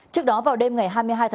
trước đó vào đêm ngày hai mươi hai